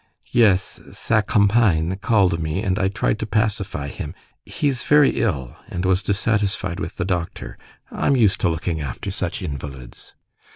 "Yes, sa compagne called me, and I tried to pacify him, he's very ill, and was dissatisfied with the doctor. I'm used to looking after such invalids."